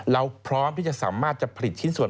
เราพร้อมที่จะสามารถจะผลิตชิ้นส่วน